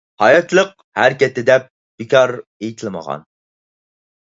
«ھاياتلىق ھەرىكەتتە» دەپ بىكار ئېيتىلمىغان.